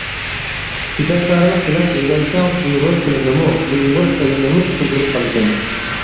پىداكارلىق بىلەن ئۆگەنسەڭ ئۇيغۇر تىلىنىمۇ، ئۇيغۇر ئېلىنىمۇ قۇتۇلدۇرۇپ قالىسەن.